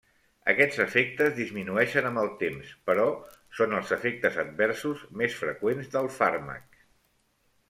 Aquests efectes disminueixen amb el temps, però són els efectes adversos més freqüents del fàrmac.